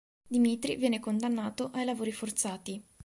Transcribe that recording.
Dmitrij viene condannato ai lavori forzati.